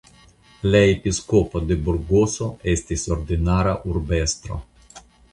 La Episkopo de Burgoso estis ordinara urbestro.